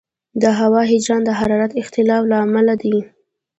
د هوا جریان د حرارت اختلاف له امله دی.